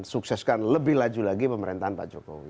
dan sukseskan lebih laju lagi pemerintahan pak jokowi